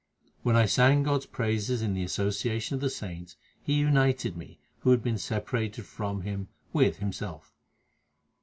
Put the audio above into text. When I sang God s praises in the association of the saints, He united me, who had been separated from Him, with Himself.